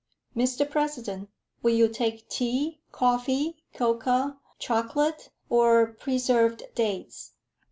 "Mr President, will you take tea, coffee, cocoa, chocolate, or preserved dates?